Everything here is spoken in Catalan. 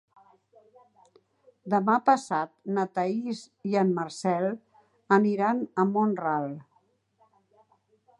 Demà passat na Thaís i en Marcel aniran a Mont-ral.